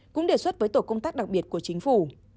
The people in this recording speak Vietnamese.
cũng đề xuất với tổ công tác đặc biệt của chính phủ